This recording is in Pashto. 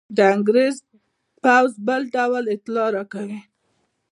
د انګرېز پوځ بل ډول اطلاع راکوي.